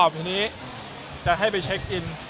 ทีนี้จะให้ไปเช็คอิน